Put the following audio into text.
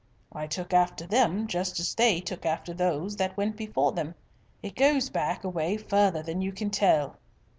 I took after them just as they took after those that went before them. It goes back away further than you can tell."